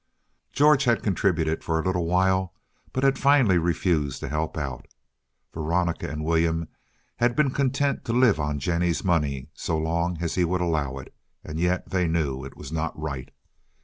George had contributed for a little while, but had finally refused to help out. Veronica and William had been content to live on Jennie's money so long as he would allow it, and yet they knew it was not right.